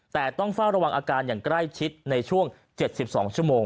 แต่ต้องเฝ้าระวังอาการอย่างใกล้ชิดในช่วง๗๒ชั่วโมง